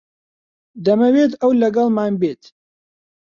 دەمەوێت ئەو لەگەڵمان بێت.